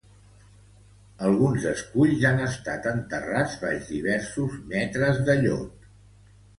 Alguns esculls han estat enterrats baix diversos metres de llot.